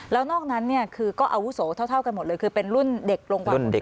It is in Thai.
แล้วนอกนั้นเนี่ยคือก็อาวุโสเท่ากันหมดเลยคือเป็นรุ่นเด็กโรงพยาบาลเด็ก